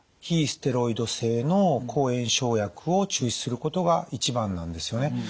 非ステロイド性の抗炎症薬を中止することが一番なんですよね。